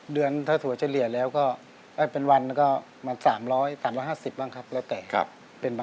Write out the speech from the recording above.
เดือนถ้าถั่วเฉลี่ยแล้วก็เป็นวันก็มา๓๐๐๓๕๐บ้างครับแล้วแต่